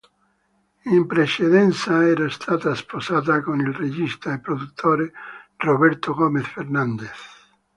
In precedenza, era stata sposata con il regista e produttore Roberto Gómez Fernández.